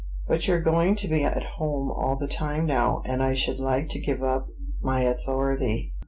"But you're going to be at home all the time now; and I should like to give up my authority."